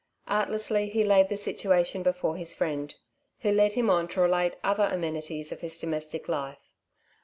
Artlessly he laid the situation before his friend, who led him on to relate other amenities of his domestic life.